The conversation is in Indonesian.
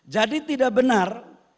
jadi tidak benar